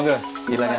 boleh coba gak nih mas